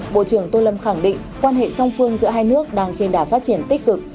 bộ trưởng tô lâm khẳng định quan hệ song phương giữa hai nước đang trên đà phát triển tích cực